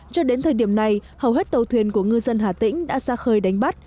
cho đến thời điểm này hầu hết tàu thuyền của ngư dân hà tĩnh đã ra khơi đánh bắt